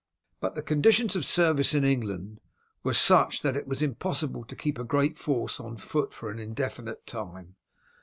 But the conditions of service in England were such that it was impossible to keep a great force on foot for an indefinite time.